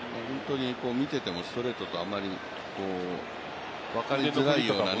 見ていてもストレートとあまり分かりづらいようなね。